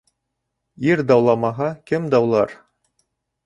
Ир дауламаһа, кем даулар?